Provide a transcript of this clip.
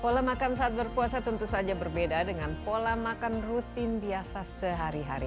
pola makan saat berpuasa tentu saja berbeda dengan pola makan rutin biasa sehari hari